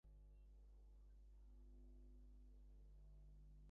খুব ভালোবাসি তোমাকে।